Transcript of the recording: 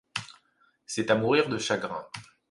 C’est à mourir de chagrin.